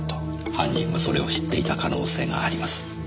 犯人はそれを知っていた可能性があります。